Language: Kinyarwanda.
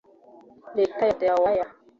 Leta ya Delaware